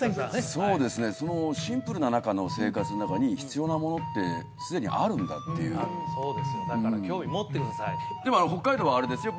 そうですねそのシンプルな中の生活の中に必要なものってすでにあるんだっていうそうですよだから興味持ってくださいでも北海道はあれですよ